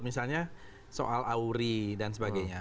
misalnya soal auri dan sebagainya